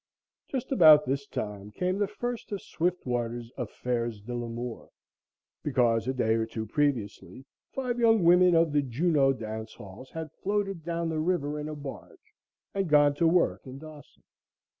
Just about this time came the first of Swiftwater's affaires d'l'amour, because a day or two previously five young women of the Juneau dance halls had floated down the river in a barge and gone to work in Dawson.